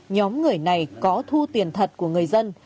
nhóm người này có thu tiền thật của người dân